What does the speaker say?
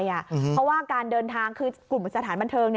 เพราะว่าการเดินทางคือกลุ่มสถานบันเทิง